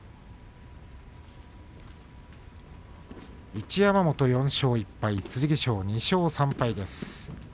一山本、４勝１敗剣翔は２勝３敗。